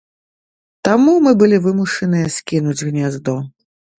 Таму мы былі вымушаныя скінуць гняздо.